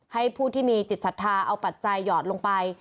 ผู้ที่มีจิตศรัทธาเอาปัจจัยหยอดลงไป